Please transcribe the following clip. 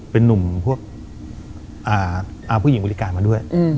เป็นนุ่มพวกผู้หญิงบริการมาด้วย